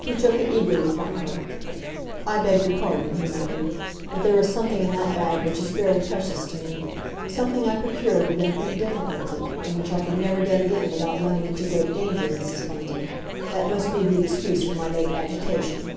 He took it eagerly from her. "I beg your pardon," he muttered. "But there is something in that bag which is very precious to me—something I procured with infinite difficulty, and which I could never get again without running into great danger, Mrs. Bunting. That must be the excuse for my late agitation."